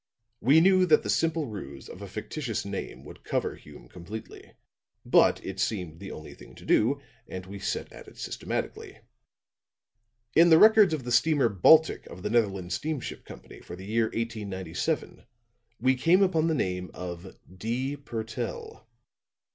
We knew that the simple ruse of a fictitious name would cover Hume completely; but it seemed the only thing to do, and we set at it systematically. In the records of the steamer Baltic of the Netherlands Steamship Company for the year 1897, we came upon the name of "D. Purtell."